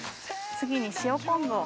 次に塩昆布を。